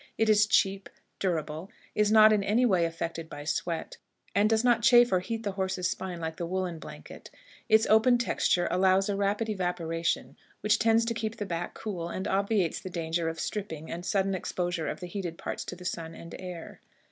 It is cheap, durable, is not in any way affected by sweat, and does not chafe or heat the horse's spine like the woolen blanket. Its open texture allows a rapid evaporation, which tends to keep the back cool, and obviates the danger of stripping and sudden exposure of the heated parts to the sun and air.